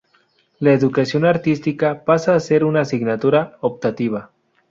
La Educación Artística pasa a ser una asignatura optativa.